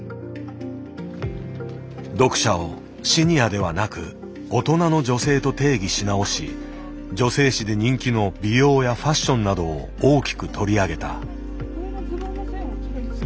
読者をシニアではなく「大人の女性」と定義し直し女性誌で人気の美容やファッションなどを大きく取り上げた。